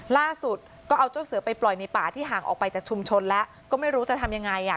ล่าสุดก็เอาเจ้าเสือไปปล่อยในป่าที่ห่างออกไปจากชุมชนแล้วก็ไม่รู้จะทำยังไงอ่ะ